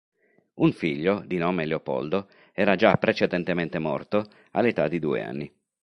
Un figlio, di nome Leopoldo, era già precedentemente morto all'età di due anni.